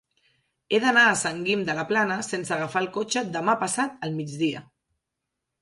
He d'anar a Sant Guim de la Plana sense agafar el cotxe demà passat al migdia.